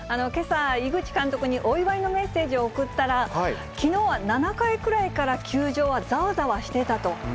けさ、井口監督にお祝いのメッセージを送ったら、きのうは７回くらいから球場はざわざわしてたと。